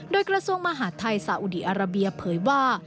โดยกระทรวงมหาดไทยสาอุดีอาราเบียเผยว่า